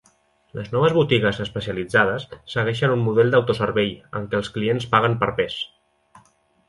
Les noves botigues especialitzades segueixen un model d'autoservei, en què els clients paguen per pes.